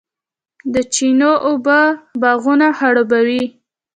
د چینو اوبه باغونه خړوبوي.